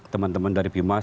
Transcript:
teman teman dari pimas